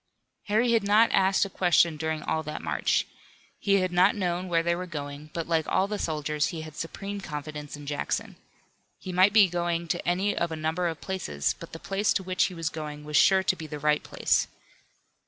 Harry had not asked a question during all that march. He had not known where they were going, but like all the soldiers he had supreme confidence in Jackson. He might be going to any of a number of places, but the place to which he was going was sure to be the right place.